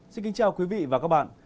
xin kính chào quý vị và các bạn